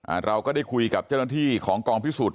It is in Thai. เราก็ได้คุยกับเจ้าหน้าที่ของกองพิสูจน